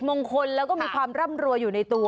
มงคลแล้วก็มีความร่ำรวยอยู่ในตัว